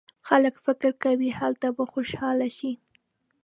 خلک فکر کوي هلته به خوشاله شي.